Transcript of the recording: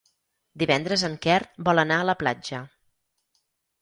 Divendres en Quer vol anar a la platja.